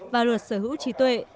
và luật sở hữu trí tuệ